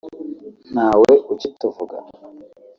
ntawe ukituvuga